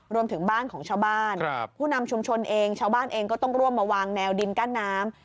รวมถึงบ้านของชาวบ้านผู้นำชุมชนเองชาวบ้านเองก็ต้องร่วมมาวางแนวดินกั้นน้ำ